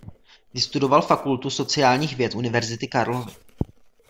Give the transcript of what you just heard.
Vystudoval Fakultu sociálních věd Univerzity Karlovy.